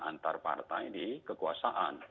antar partai di kekuasaan